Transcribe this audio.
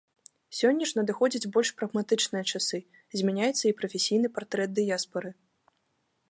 Сёння ж надыходзяць больш прагматычныя часы, змяняецца і прафесійны партрэт дыяспары.